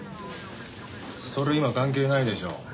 それ今関係ないでしょう。